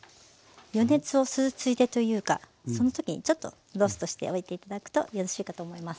予熱をするついでというかそのときにちょっとローストしておいて頂くとよろしいかと思います。